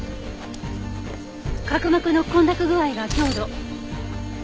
角膜の混濁具合が強度。